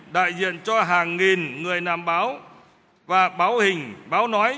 đại diện cho hàng nghìn người làm báo và báo hình báo nói